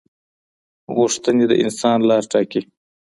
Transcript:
غوښتنې د انسان لار ټاکي.